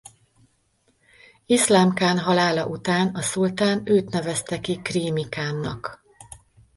Iszlám kán halála után a szultán őt nevezte ki krími kánnak.